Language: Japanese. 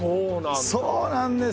そうなんだ。